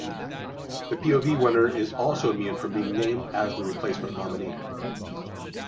The PoV winner is also immune from being named as the replacement nominee.